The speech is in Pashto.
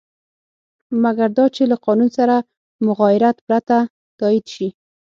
مګر دا چې له قانون سره مغایرت پرته تایید شي.